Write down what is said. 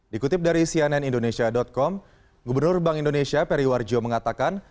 dikutip dari cnn indonesia com gubernur bank indonesia periwarjo mengatakan